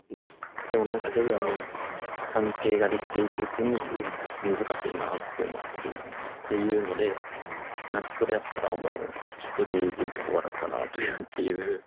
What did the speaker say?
でも何か徐々に関係ができていくうちに難しいなって思ったりっていうので何かそれやったらもうひとりでいた方が楽かなとかっていう。